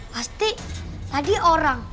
pasti tadi orang